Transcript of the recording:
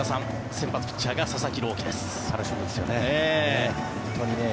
先発ピッチャーが佐々木朗希です。